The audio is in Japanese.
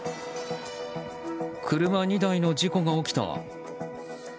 車２台の事故が起きた。